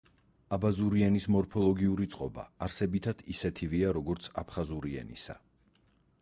აბაზური ენის მორფოლოგიური წყობა არსებითად ისეთივეა, როგორიც აფხაზური ენისა.